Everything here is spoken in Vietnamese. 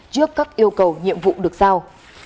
trước các yêu cầu nhiệm vụ được giao